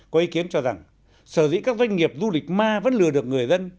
có ý kiến cho rằng sở dĩ các doanh nghiệp du lịch ma vẫn lừa được người dân